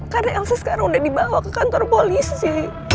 karena elsa sekarang udah dibawa ke kantor polisi